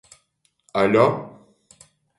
-Aļo!